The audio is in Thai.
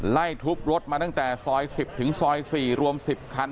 ไล่ทุบรถมาตั้งแต่ซอย๑๐ถึงซอย๔รวม๑๐คัน